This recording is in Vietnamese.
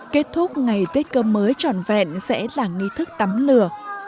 kết thúc ngày tết cơm mới tròn vẹn sẽ là nghi thức tắm lửa